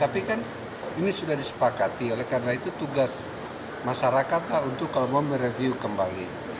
tapi kan ini sudah disepakati oleh karena itu tugas masyarakat lah untuk kalau mau mereview kembali